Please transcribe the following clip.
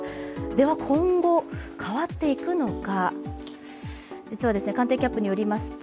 では今後、変わっていくのか。